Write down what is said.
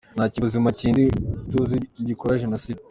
Nta kinyabuzima kindi tuzi gikora jenoside.